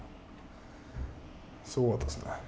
すごかったですね。